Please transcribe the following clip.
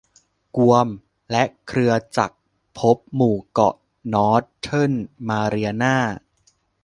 กวมและเครือจักรภพหมู่เกาะนอร์ธเทิร์นมาเรียนา